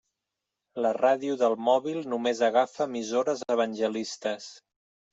La ràdio del mòbil només agafa emissores evangelistes.